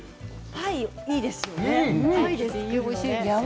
パイいいですよね。